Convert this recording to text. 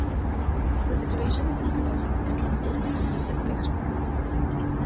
The situation with ecology and transport in my country is a mixed one.